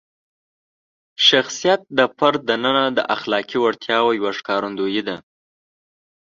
شخصیت د فرد دننه د اخلاقي وړتیاوو یوه ښکارندویي ده.